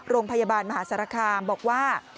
โรงพยาบาลมหาสารคามบอกว่า